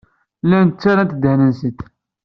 Llant ttarrant ddehn-nsent.